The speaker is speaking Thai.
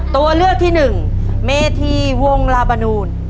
ตัวเลือกที่หนึ่งเมธีวงลาบานูล